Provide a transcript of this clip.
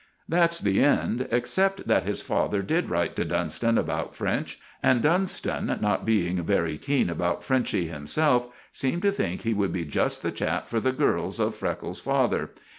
That's the end, except that his father did write to Dunston about Frenchy; and Dunston, not being very keen about Frenchy himself, seemed to think he would be just the chap for the girls of Freckles's father.